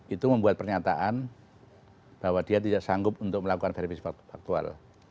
itu membuat pernyataan bahwa dia tidak sanggup untuk melakukan verifikasi faktual